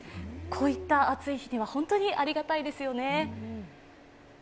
こういった暑い日には本当にありがたいですよね。